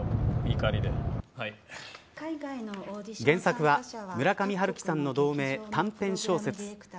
原作は村上春樹さんの同名、短編小説。